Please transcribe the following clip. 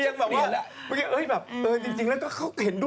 ฉันไม่เอาแล้วฉันไม่มีพวกแล้ว